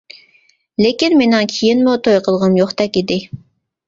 لېكىن مېنىڭ كېيىنمۇ توي قىلغۇم يوقتەك ئىدى.